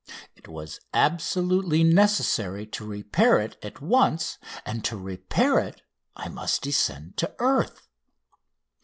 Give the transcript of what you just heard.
It was absolutely necessary to repair it at once, and to repair it I must descend to earth.